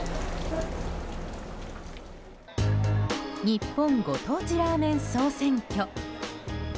日本ご当地ラーメン総選挙。